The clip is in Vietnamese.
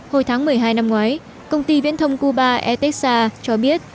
hồi tháng một mươi hai năm ngoái công ty viễn thông cuba etexa cho biết